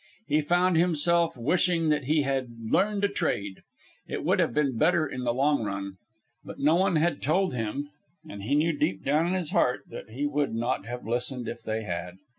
He found himself wishing that he had learned a trade. It would have been better in the long run. But no one had told him, and he knew, deep down in his heart, that he would not have listened if they had.